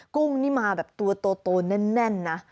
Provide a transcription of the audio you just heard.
กุ้งนี่มาแบบตัวโตแน่นนะ